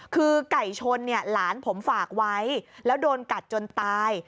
คือไก่ชนเนี่ยหลานผมฝากไว้แล้วโดนกัดจนตาย